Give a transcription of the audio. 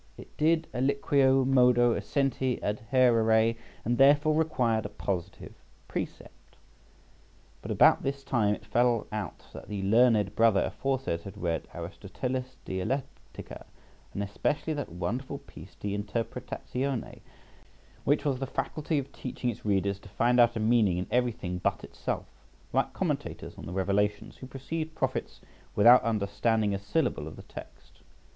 It did aliquo modo essentiæ adhærere, and therefore required a positive precept. But about this time it fell out that the learned brother aforesaid had read "Aristotelis Dialectica," and especially that wonderful piece de Interpretatione, which has the faculty of teaching its readers to find out a meaning in everything but itself, like commentators on the Revelations, who proceed prophets without understanding a syllable of the text.